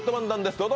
どうぞ。